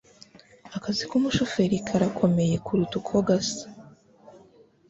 Akazi k'umushoferi karakomeye kuruta uko gasa.